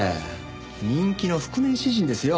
人気の覆面詩人ですよ。